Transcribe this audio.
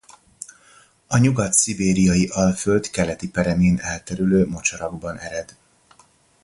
A Nyugat-szibériai-alföld keleti peremén elterülő mocsarakban ered.